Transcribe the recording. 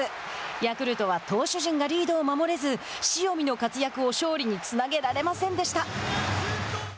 ヤクルトは投手陣がリードを守れず塩見の活躍を勝利につなげられませんでした。